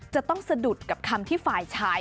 จะต้องสะดุดกับคำที่ฝ่ายชาย